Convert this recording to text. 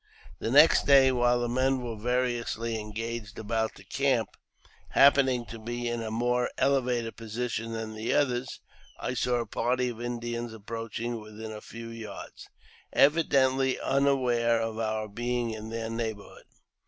The next day, while the men were variously engaged about the camp, happening to be in a more elevated position than the others, I saw a party of Indians approaching within a few yards, evidently unaware of our being in their neighbourhood.